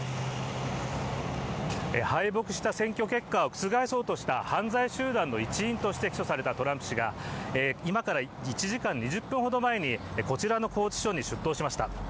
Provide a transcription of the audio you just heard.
敗北した選挙結果を覆そうとした犯罪集団の一員として起訴されたトランプ氏が今から１時間２０分ほど前にこちらの拘置所に出頭しました。